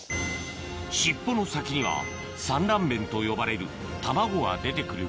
尻尾の先には産卵弁と呼ばれる卵が出て来る